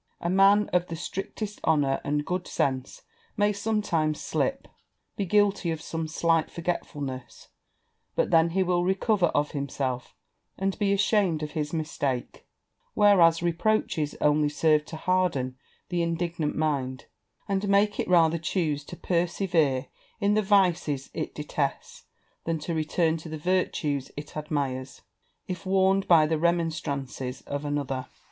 A man of the strictest honour and good sense may sometimes slip be guilty of some slight forgetfulness but then he will recover of himself, and be ashamed of his mistake; whereas reproaches only serve to harden the indignant mind, and make it rather chuse to persevere in the vices it detests, than to return to the virtues it admires, if warned by the remonstrances of another.